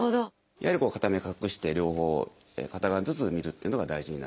やはり片目隠して両方片側ずつ見るっていうのが大事になります。